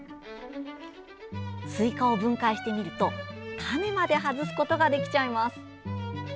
スイカを分解してみると種まで外すことができるんです。